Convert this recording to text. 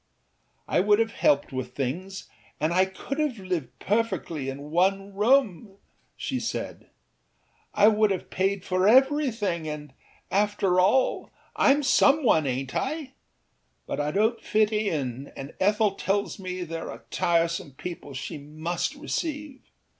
âI would have helped with things, and I could have lived perfectly in one room,â she said; âI would have paid for everything, andâafter allâIâm some one, ainât I? But I donât fit in, and Ethel tells me there are tiresome people she must receive.